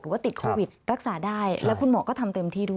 ว่าติดโควิดรักษาได้แล้วคุณหมอก็ทำเต็มที่ด้วย